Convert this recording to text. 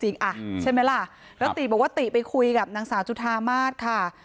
อ่ะใช่ไหมล่ะแล้วติบอกว่าติไปคุยกับนางสาวจุธามาศค่ะ